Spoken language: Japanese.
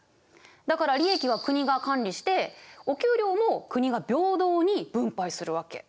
だから利益は国が管理してお給料も国が平等に分配するわけ。